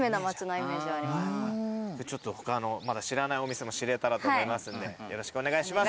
他のまだ知らないお店も知れたらと思いますんでよろしくお願いします。